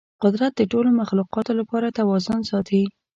قدرت د ټولو مخلوقاتو لپاره توازن ساتي.